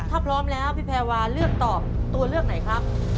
ถ้าพร้อมแล้วพี่แพรวาเลือกตอบตัวเลือกไหนครับ